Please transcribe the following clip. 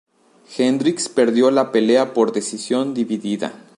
Hendricks perdió la pelea por decisión dividida.